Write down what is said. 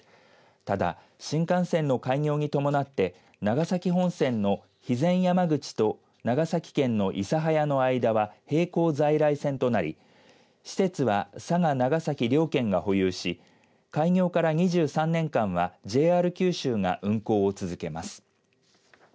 ただ、新幹線の開業に伴って長崎本線の肥前山口と長崎県の諫早の間は並行在来線となり施設は佐賀、長崎両県が保有し開業から２３年間はＪＲ九州が運行を続けます。